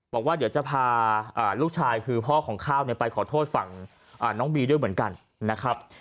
บอกว่าเดี๋ยวจะพาลูกชายคือพ่อของข้าวไปขอโทษฝั่งน้องบีด้วยเหมือนกันนะครับ